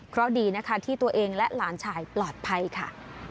เพราะดีนะคะที่ตัวเองและหลานชายปลอดภัยค่ะ